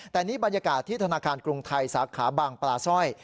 แต่นี่บรรยากาศที่ธนาคารกรุงไทยสาขาบางปลาสร้อย